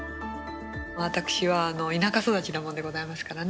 私は田舎育ちなものでございますからね